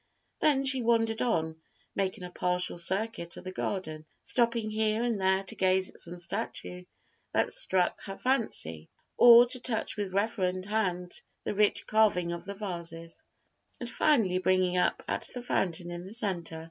Then she wandered on, making a partial circuit of the garden, stopping here and there to gaze at some statue that struck her fancy or to touch with reverend hand the rich carving of the vases, and finally bringing up at the fountain in the centre.